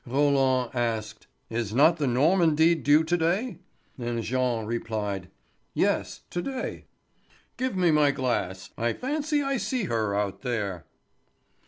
Roland asked: "Is not the Normandie due to day?" And Jean replied: "Yes, to day." "Give me my glass. I fancy I see her out there."